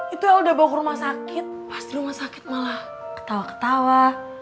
itu yang udah bawa ke rumah sakit pas di rumah sakit malah ketawa ketawa